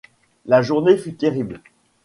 La journée fut terrible.